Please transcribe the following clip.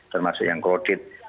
termasuk yang kodit